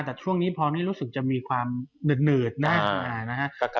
แต่ช่วงนี้พร้อมที่รู้สึกจะมีความเหนืดขนาดนี้